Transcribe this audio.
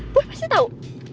boy pasti tau